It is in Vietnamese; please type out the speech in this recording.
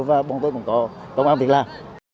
chúng tôi cũng có công an việc làm